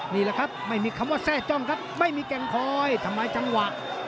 นี่แหละครับไม่มีคำว่าแทร่จ้องครับไม่มีแก่งคอยทำลายจังหวะ